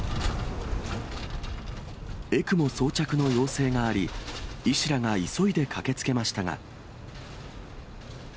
ＥＣＭＯ装着の要請があり、医師らが急いで駆けつけましたが。